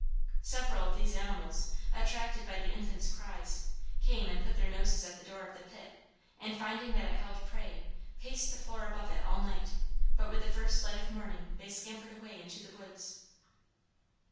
Several of these animals, attracted by the infant's cries, came and put their noses at the door of the pit and finding that it held prey, paced the floor above it all night: but with the first light of morning they scampered away into the woods.